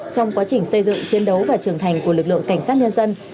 trong quá trình xây dựng chiến đấu và trưởng thành của lực lượng cảnh sát nhân dân